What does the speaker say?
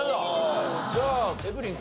じゃあエブリン